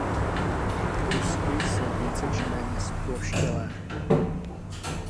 Lusky jsou více či méně zploštělé.